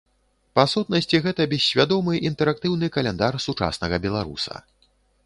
Па сутнасці гэта бессвядомы, інтэрактыўны каляндар сучаснага беларуса.